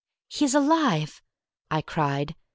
"He is alive!" I cried.